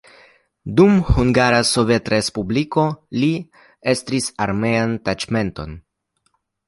Dum Hungara Sovetrespubliko li estris armean taĉmenton.